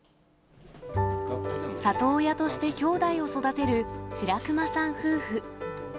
里親として兄弟を育てる白熊さん夫婦。